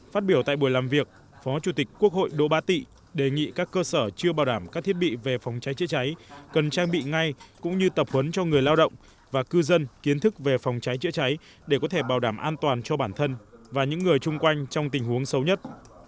phát biểu tại buổi làm việc phó chủ tịch quốc hội đỗ ba tị đề nghị các cơ sở chưa bảo đảm các thiết bị về phòng cháy chữa cháy cần trang bị ngay cũng như tập huấn cho người lao động và cư dân kiến thức về phòng cháy chữa cháy để có thể bảo đảm an toàn cho bản thân và những người chung quanh trong tình huống xấu nhất